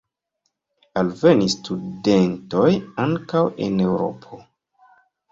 Alvenis studentoj ankaŭ el Eŭropo.